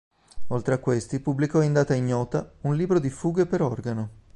Oltre a questi, pubblicò in data ignota un libro di fughe per organo.